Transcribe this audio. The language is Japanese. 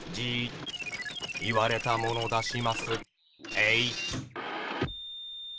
えい！